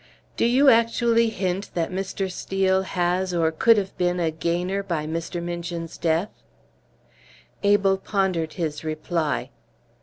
"Do you actually hint that Mr. Steel has or could have been a gainer by Mr. Minchin's death?" Abel pondered his reply.